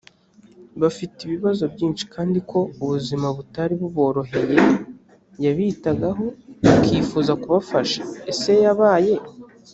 bafite ibibazo byinshi kandi ko ubuzima butari buboroheye yabitagaho akifuza kubafasha ese yabaye